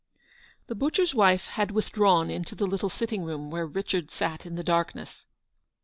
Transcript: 156 The butcher's wife had withdrawn into the little sitting room where Richard sat in the dark ness.